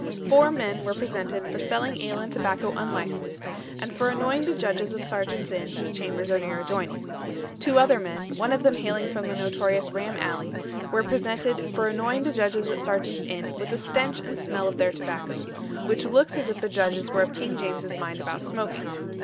Four men were presented "for selling ale and tobacco unlicensed, and for annoying the Judges of Serjeants Inn whose chambers are near adjoyning." Two other men, one of them hailing from the notorious Ram Alley, were presented "for annoying the Judges at Serjeants Inn with the stench and smell of their tobacco," which looks as if the Judges were of King James's mind about smoking.